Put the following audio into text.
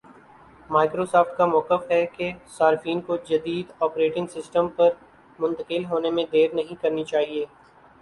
Microsoft کا مؤقف ہے کہ صارفین کو جدید آپریٹنگ سسٹم پر منتقل ہونے میں دیر نہیں کرنی چاہیے